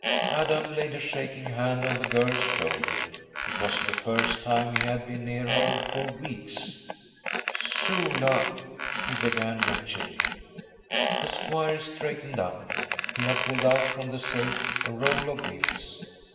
Adam laid a shaking hand on the girl's shoulder. It was the first time he had been near her for weeks. 'Sula,' he began wretchedly. The squire straightened up. He had pulled out from the safe a roll of bills.